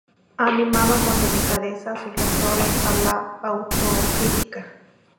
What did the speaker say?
Animaba con delicadeza a sus lectores a la autocrítica.